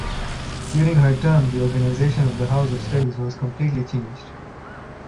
During her term the organization of the house of studies was completely changed.